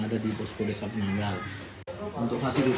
ada di posko desa penanggal untuk kasih dukungan